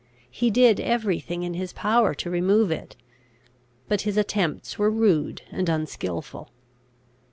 He did every thing in his power to remove it; but his attempts were rude and unskilful.